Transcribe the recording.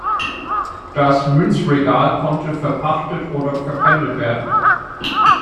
Das Münzregal konnte verpachtet oder verpfändet werden.